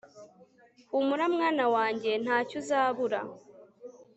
humura mwana wanjye ntacyo uzabura